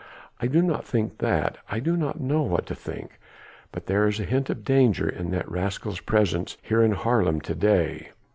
I do not think that.... I do not know what to think ... but there is a hint of danger in that rascal's presence here in Haarlem to day."